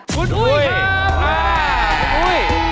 คุณอุ้ยครับค่ะ